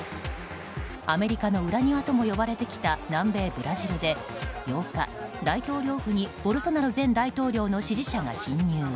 アメリカの裏庭とも呼ばれてきた南米ブラジルで８日、大統領府にボルソナロ前大統領の支持者が侵入。